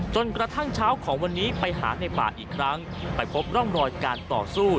จนกระทั่งเช้าของวันนี้ไปหาในป่าอีกครั้งไปพบร่องรอยการต่อสู้